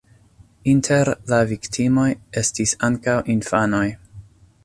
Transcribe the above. Inter la viktimoj estis ankaŭ infanoj.